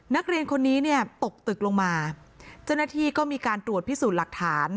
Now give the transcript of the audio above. นักเรียนคนนี้เนี่ยตกตึกลงมาเจ้าหน้าที่ก็มีการตรวจพิสูจน์หลักฐาน